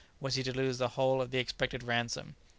was he to lose the whole of the expected ransom?